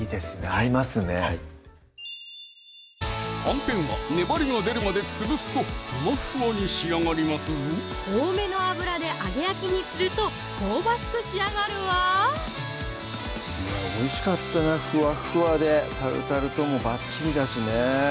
合いますねはんぺんは粘りが出るまで潰すとふわっふわに仕上がりますぞ多めの油で揚げ焼きにすると香ばしく仕上がるわいやおいしかったなふわっふわでタルタルともバッチリだしね